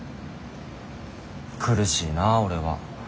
苦しいな俺は。